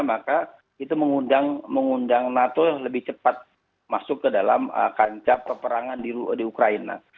maka itu mengundang nato lebih cepat masuk ke dalam kancah peperangan di ukraina